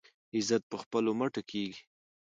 عزت په خپلو مټو کیږي.